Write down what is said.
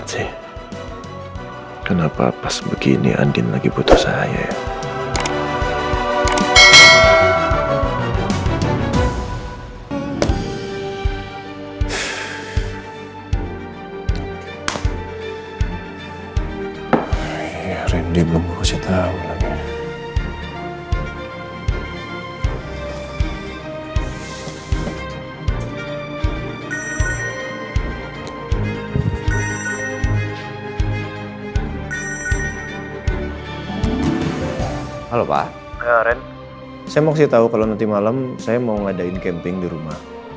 ren saya mau kasih tahu kalau nanti malam saya mau ngadain camping di rumah